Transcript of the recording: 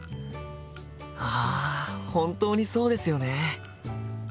あ本当にそうですよね！